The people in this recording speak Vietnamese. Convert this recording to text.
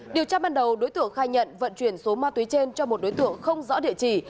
điều tra ban đầu đối tượng khai nhận vận chuyển số ma túy trên cho một đối tượng không rõ địa chỉ